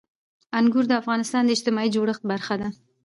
انګور د افغانستان د اجتماعي جوړښت برخه ده.